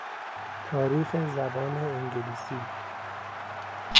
تاریخ زبان انگلیسی